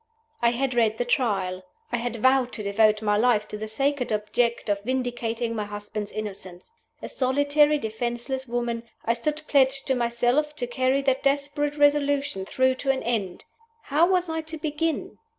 I had read the Trial. I had vowed to devote my life to the sacred object of vindicating my husband's innocence. A solitary, defenseless woman, I stood pledged to myself to carry that desperate resolution through to an end. How was I to begin?